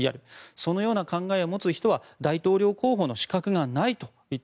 そのような考えを持つ人は大統領候補の資格がないと。